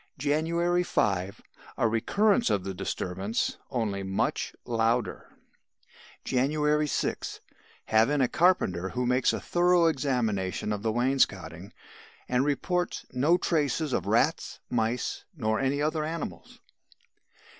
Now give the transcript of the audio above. "January 5. A recurrence of the disturbance only much louder. "January 6. Have in a carpenter who makes a thorough examination of the wainscoting and reports 'no traces of rats, mice nor any other animals.